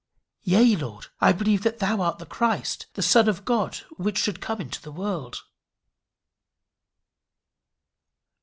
"Yea, Lord: I believe that thou art the Christ, the Son of God, which should come into the world."